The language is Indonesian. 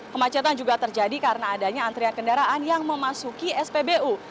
kemacetan juga terjadi karena adanya antrian kendaraan yang memasuki spbu